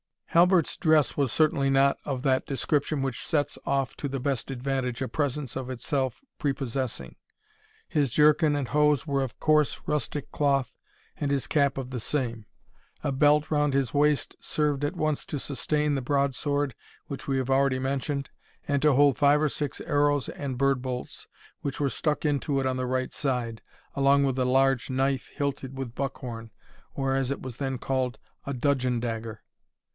Halbert's dress was certainly not of that description which sets off to the best advantage a presence of itself prepossessing. His jerkin and hose were of coarse rustic cloth, and his cap of the same. A belt round his waist served at once to sustain the broad sword which we have already mentioned, and to hold five or six arrows and bird bolts, which were stuck into it on the right side, along with a large knife hilted with buck horn, or, as it was then called, a dudgeon dagger.